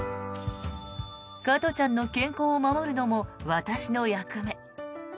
カトちゃんの健康を守るのも私の役目。